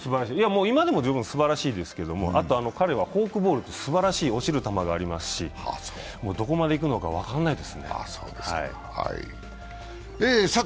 今でも十分すばらしいですけれども、あと彼はフォークボールというすばらしい落ちる球がありますしどこまでいくのか分かんないですね。